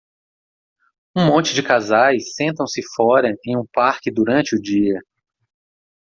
Um monte de casais sentam-se fora em um parque durante o dia.